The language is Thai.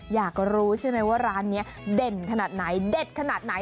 อยากรู้ใช่ไหมว่าร้านนี้เด่นขนาดไหนเด็ดขนาดไหน